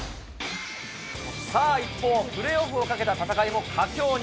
さあ、一方、プレーオフをかけた戦いも佳境に。